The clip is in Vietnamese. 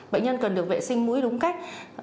bệnh nhân cần được vệ sinh mũi đúng cách